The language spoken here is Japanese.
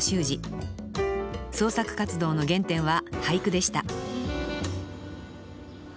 創作活動の原点は俳句でした